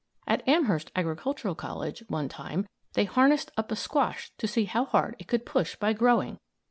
At Amherst Agricultural College, one time, they harnessed up a squash to see how hard it could push by growing.